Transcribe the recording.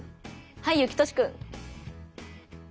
はいゆきとしくん。